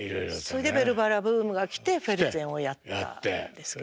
それで「ベルばら」ブームが来てフェルゼンをやったんですけど。